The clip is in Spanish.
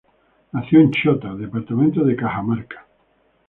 Nació en Chota, departamento de Cajamarca.